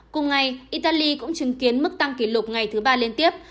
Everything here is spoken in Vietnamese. cùng ngày italy cũng chứng kiến mức tăng kỷ lục ngày thứ ba liên tiếp